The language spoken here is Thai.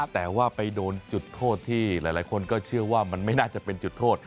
แต่ว่าไปโดนจุดโทษที่หลายคนก็เชื่อว่ามันไม่น่าจะเป็นจุดโทษ